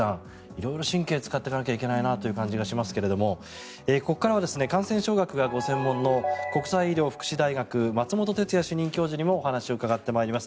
色々、神経を使っていかないといけないなという感じがしますけどここからは感染症学がご専門の国際医療福祉大学松本哲哉主任教授にもお話を伺ってまいります。